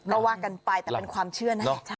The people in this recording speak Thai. เราว่ากันไปแต่เป็นความเชื่อนะ